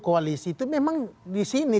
koalisi itu memang disini